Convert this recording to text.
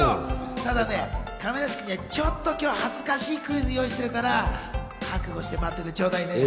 ただ亀梨君には、ちょっと恥ずかしいクイズ、用意しているから覚悟して待っててちょうだいね。